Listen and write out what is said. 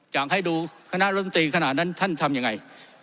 อยากให้ดูคณะรัฐมนตรีขนาดนั้นท่านทำยังไง